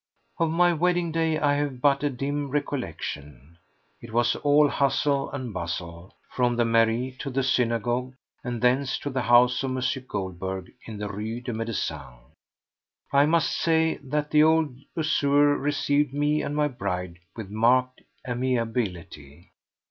Of my wedding day I have but a dim recollection. It was all hustle and bustle; from the mairie to the synagogue, and thence to the house of M. Goldberg in the Rue des Médecins. I must say that the old usurer received me and my bride with marked amiability.